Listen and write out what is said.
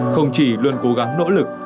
không chỉ luôn cố gắng nỗ lực